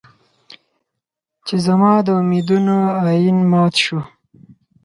چې زما د امېدونو ائين مات شو